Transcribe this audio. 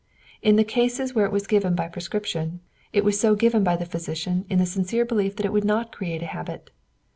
In the cases where it was given by prescription, it was so given by the physician in the sincere belief that it would not create a habit.